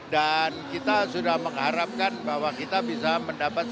dan kita sudah mengharapkan bahwa kita bisa mendapat satu ratus dua puluh